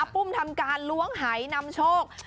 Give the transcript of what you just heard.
ปุ้มทำการล้วงหายนำโชค